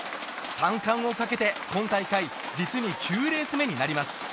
３冠をかけて、今大会実に９レース目になります。